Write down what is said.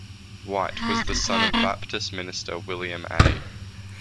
White was the son of Baptist minister William A.